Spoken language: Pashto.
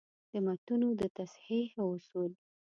د متونو د تصحیح اصول: